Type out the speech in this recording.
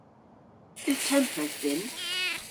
Eus tempredh dhyn?